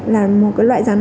là một loại rắn